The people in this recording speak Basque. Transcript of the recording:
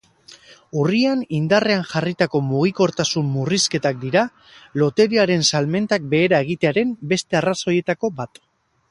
Urrian indarrean jarritako mugikortasun murrizketak dira loteriaren salmentak behera egitearen beste arrazoietako bat.